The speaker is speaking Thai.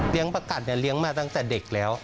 เลี้ยงปลากัดเลี้ยงมาตั้งแต่เด็กแล้ว